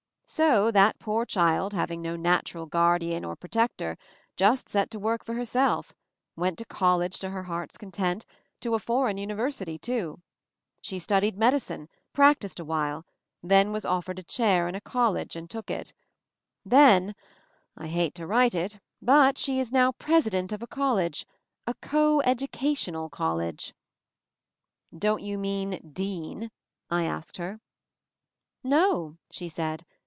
So that poor child, having no natural guardian or protector, just set to work for herself — went to college to her heart's con tent, to a foreign university, too. She studied medicine, practiced a while, then was offered a chair in a college and took it ; then 16 MOVING THE MOUNTAIN — I hate to write it— but she is now presi dent of a college — a co educational college I "Don't you mean 'dean?' " I asked her. "No," die said.